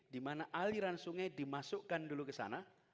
di mana aliran sungai dimasukkan dulu ke sana